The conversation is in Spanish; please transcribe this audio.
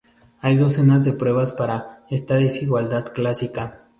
Hay docenas de pruebas para esta desigualdad clásica.